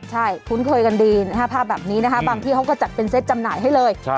ใช่คุ้นเคยกันดีภาพแบบนี้นะคะบางที่เขาก็จัดเป็นเซตจำหน่ายให้เลย